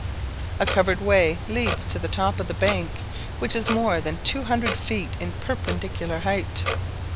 A covered way leads to the top of the bank, which is more than two hundred feet in perpendicular height.